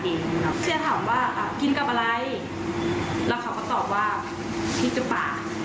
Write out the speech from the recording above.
เชื่อถามว่ากินกับอะไรแล้วเขาก็ตอบว่าพริกหรือเปล่า